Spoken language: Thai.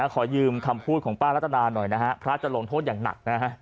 ขอยืมคำพูดของป้ารัตนาหน่อยนะฮะพระจะลงโทษอย่างหนักนะฮะ